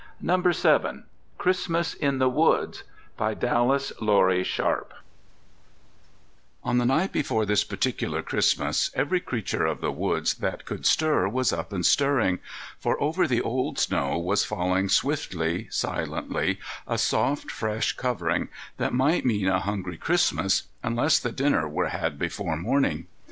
II Christmas in the Woods ON the night before this particular Christmas every creature of the woods that could stir was up and stirring, for over the old snow was falling swiftly, silently, a soft, fresh covering that might mean a hungry Christmas unless the dinner were had before morning.